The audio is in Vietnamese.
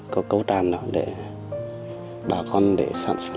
có cầu tràn đó để bà con để sản xuất